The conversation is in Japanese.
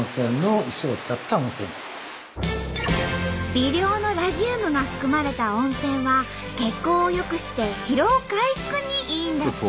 微量のラジウムが含まれた温泉は血行を良くして疲労回復にいいんだって！